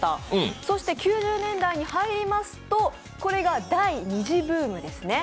そして９０年代に入りますと、これが第２次ブームですね。